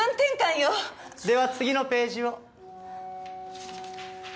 では次のページを。